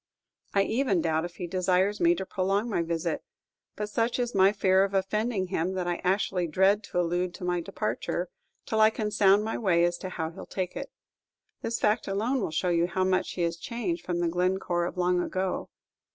I even doubt if he desires me to prolong my visit; but such is my fear of offending him, that I actually dread to allude to my departure, till I can sound my way as to how he 'll take it. This fact alone will show you how much he is changed from the Glencore of long ago.